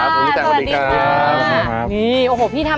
มันเป็นอะไร